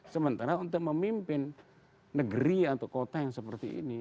sementara untuk memimpin negeri atau kota yang seperti ini